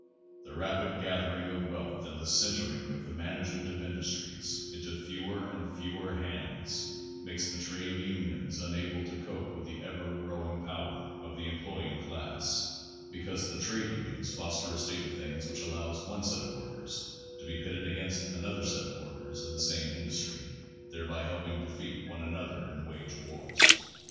"The rapid gathering of wealth and the centering of the management of industries into fewer and fewer hands make the trade unions unable to cope with the ever growing power of the employing class, because the trade unions foster a state of things which allows one set of workers to be pitted against another set of work ers in the same industry, thereby helping defeat one another in wage wars.